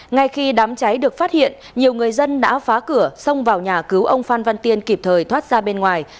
ngay khi đám cháy được phát hiện nhiều người dân đã phá cửa xông vào nhà cứu ông phan văn tiên kịp thời thoát ra bên ngoài